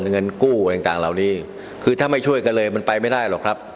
เงินกู้อะไรต่างเหล่านี้คือถ้าไม่ช่วยกันเลยมันไปไม่ได้หรอกครับ